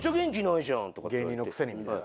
芸人のくせにみたいな。